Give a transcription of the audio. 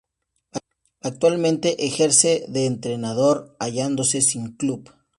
Actualmente ejerce de entrenador, hallándose sin club.